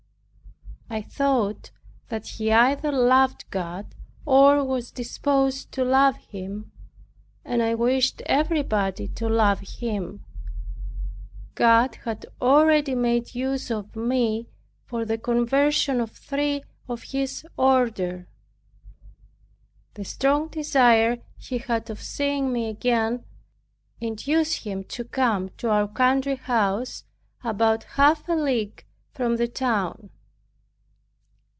I thought that he either loved God, or was disposed to love Him, and I wished everybody to love Him. God had already made use of me for the conversion of three of his order. The strong desire he had of seeing me again induced him to come to our country house about half a league from the town.